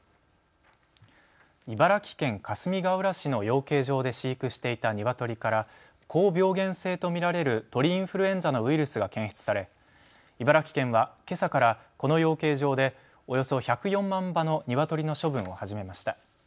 茨城県かすみがうら市の養鶏場で飼育していたニワトリから高病原性と見られる鳥インフルエンザのウイルスが検出され茨城県は、けさからこの養鶏場でおよそ１０４万羽のニワトリの処分を始めました。